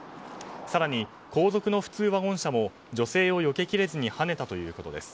更に後続の普通ワゴン車も女性をよけきれずにはねたということです。